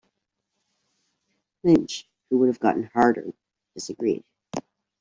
Lynch, who would have gotten "Harder", disagreed.